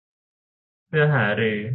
เพื่อหารือ